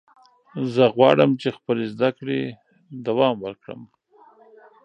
زه غواړم چې خپلې زده کړې دوام ورکړم.